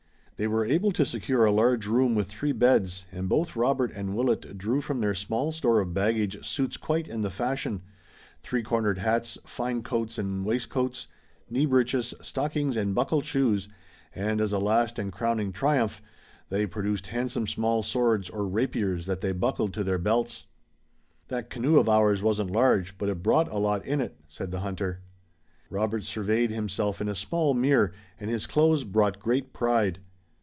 They were able to secure a large room with three beds, and both Robert and Willet drew from their small store of baggage suits quite in the fashion, three cornered hats, fine coats and waistcoats, knee breeches, stockings and buckled shoes, and as a last and crowning triumph they produced handsome small swords or rapiers that they buckled to their belts. "That canoe of ours wasn't large, but it brought a lot in it," said the hunter. Robert surveyed himself in a small glass, and his clothes brought great pride.